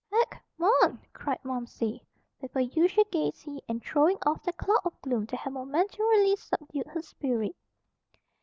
"Heck, mon!" cried Momsey, with her usual gaiety, and throwing off the cloud of gloom that had momentarily subdued her spirit.